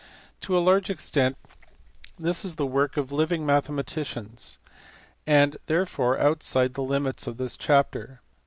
To a large extent this is the work of living mathematicians, and therefore outside the limits of this chapter.